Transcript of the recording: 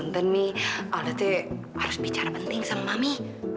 tapi harus bicara penting sama ibu